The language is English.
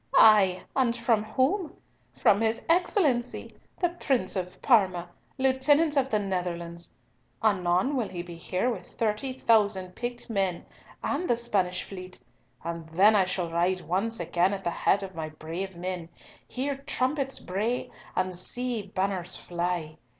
Ay, and from whom? From his Excellency, the Prince of Parma, Lieutenant of the Netherlands. Anon will he be here with 30,000 picked men and the Spanish fleet; and then I shall ride once again at the head of my brave men, hear trumpets bray, and see banners fly!